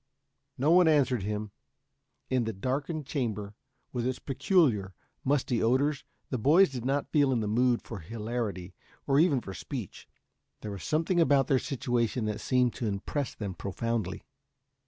No one answered him. In the darkened chamber, with its peculiar, musty odors, the boys did not feel in the mood for hilarity or even for speech. There was something about their situation that seemed to impress them profoundly.